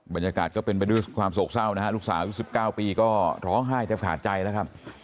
บรรยากาศก็เป็นไปด้วยความโศกเศร้านะฮะลูกสาวยุค๑๙ปีก็ร้องไห้แทบขาดใจแล้วครับ